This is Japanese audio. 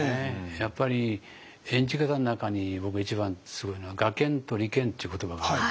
やっぱり演じ方の中に僕一番すごいのは「我見と離見」っていう言葉があるんですよね。